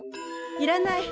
いらない。